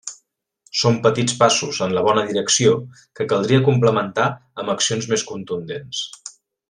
Són petits passos en la bona direcció, que caldria complementar amb accions més contundents.